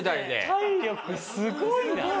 体力すごいな。